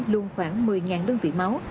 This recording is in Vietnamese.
luôn khoảng một mươi đơn vị máu